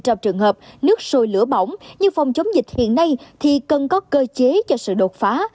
trong trường hợp nước sôi lửa bỏng như phòng chống dịch hiện nay thì cần có cơ chế cho sự đột phá